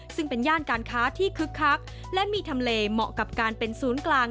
ซึ่งเป็นย่านการค้าที่คึกคักและมีทำเลเหมาะกับการเป็นศูนย์กลาง